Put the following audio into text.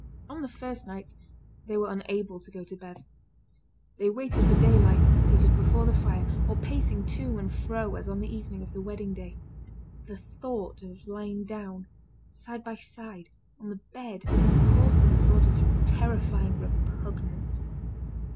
On the first nights, they were unable to go to bed. They waited for daylight, seated before the fire, or pacing to and fro as on the evening of the wedding day. The thought of lying down, side by side, on the bed, caused them a sort of terrifying repugnance.